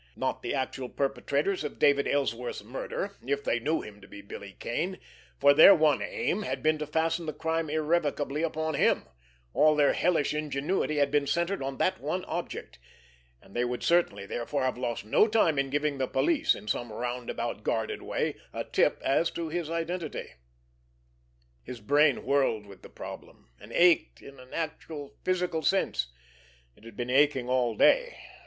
Not the actual perpetrators of David Ellsworth's murder, if they knew him to be Billy Kane—for their one aim had been to fasten the crime irrevocably upon him, all their hellish ingenuity had been centered on that one object, and they would certainly, therefore, have lost no time in giving the police, in some roundabout, guarded way, a tip as to his identity. His brain whirled with the problem, and ached in an actual physical sense. It had been aching all day.